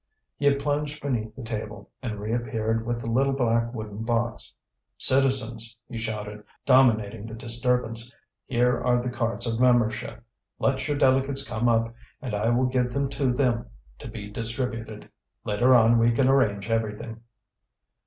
He had plunged beneath the table, and reappeared with the little black wooden box. "Citizens!" he shouted, dominating the disturbance, "here are the cards of membership. Let your delegates come up, and I will give them to them to be distributed. Later on we can arrange everything."